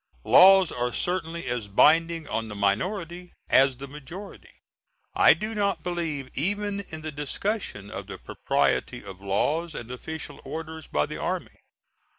Laws are certainly as binding on the minority as the majority. I do not believe even in the discussion of the propriety of laws and official orders by the army.